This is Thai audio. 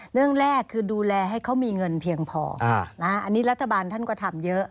เรื่องแรกคือดูแลให้เขามีเงินเพียงพออันนี้รัฐบาลท่านก็ทำเยอะ